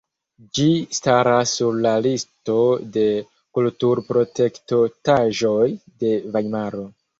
Ĝi staras sur la listo de kulturprotektotaĵoj de Vajmaro.